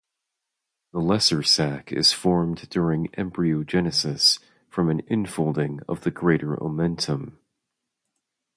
The lesser sac is formed during embryogenesis from an infolding of the greater omentum.